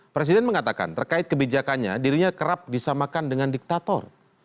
presiden mengatakan terkait kebijakannya dirinya kerap disamakan dengan diktator